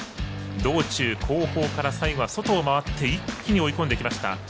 道中後方から最後は外を回って、一気に追い込んできました。